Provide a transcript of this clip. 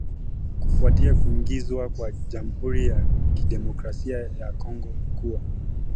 kufuatia kuingizwa kwa Jamhuri ya Kidemokrasi ya Kongo kuwa